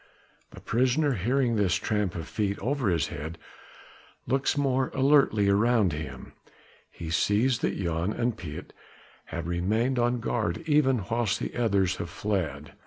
The prisoner, hearing this tramp of feet over his head, looks more alertly around him. He sees that Jan and Piet have remained on guard even whilst the others have fled.